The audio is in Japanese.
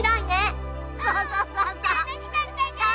たのしかったじゃりー！